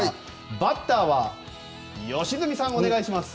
バッターは良純さん、お願いします。